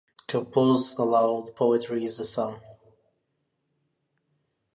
Compose aloud; poetry is a sound.